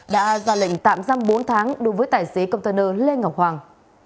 đã ra lệnh tạm giam bốn tháng đối với tài xế container lê ngọc hoàng